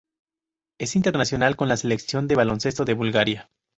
Es internacional con la Selección de baloncesto de Bulgaria.